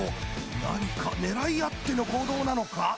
何か狙いあっての行動なのか？